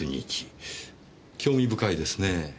興味深いですねぇ。